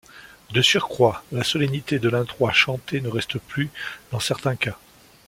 De surcroît, la solennité de l'introït chanté ne reste plus dans certains cas.